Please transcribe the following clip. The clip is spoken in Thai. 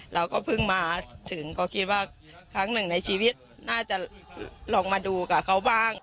เราก็เพิ่งมาถึงก็คิดว่าครั้งหนึ่งในชีวิตน่าจะลองมาดูกับเขาบ้าง